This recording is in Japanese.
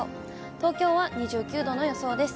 東京は２９度の予想です。